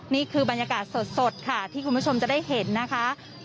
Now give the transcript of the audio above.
นี่คือบรรยากาศสดค่ะที่คุณผู้ชมจะได้เห็นนะคะ